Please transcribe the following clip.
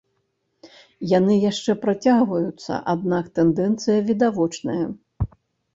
Яны яшчэ працягваюцца, аднак тэндэнцыя відавочная.